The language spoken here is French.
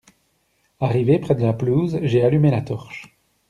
Arrivé près de la pelouse, j’ai allumé la torche.